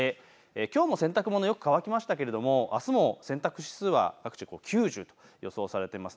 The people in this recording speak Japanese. きょうも洗濯物、よく乾きましたけれど、あすも洗濯指数は各地、９０と予想されています。